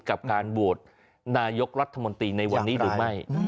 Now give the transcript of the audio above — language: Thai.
กับการบวชนายกรัฐมนตริย์ในวันนี้รึไม่